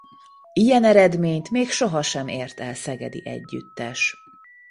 Ilyen eredményt még sohasem ért el szegedi együttes.